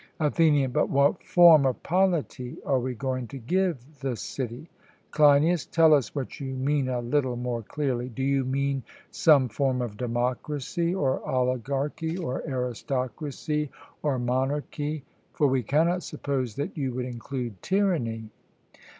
ATHENIAN: But what form of polity are we going to give the city? CLEINIAS: Tell us what you mean a little more clearly. Do you mean some form of democracy, or oligarchy, or aristocracy, or monarchy? For we cannot suppose that you would include tyranny.